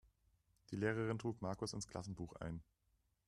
Die Lehrerin trug Markus ins Klassenbuch ein.